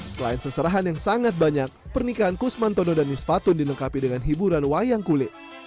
selain seserahan yang sangat banyak pernikahan kusman tondo dan nis fatun dinengkapi dengan hiburan wayang kulit